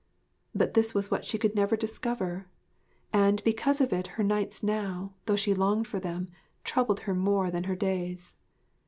But this was what she could never discover; and because of it her nights now, though she longed for them, troubled her more than her days.